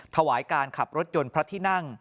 ถวายการขับรถยนต์พระที่นั่ง